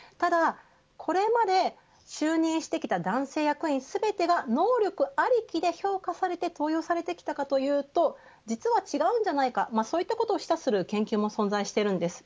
ただ、これまで就任してきた男性役員全てが能力ありきで評価されて登用されてきたかというと実は違うんじゃないかそういったことを示唆する研究も存在しているんです。